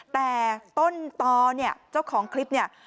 แต่ต้นตอเนี่ยเจ้าของคลิปเนี่ย